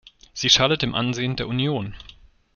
Sie schadet dem Ansehen der Union.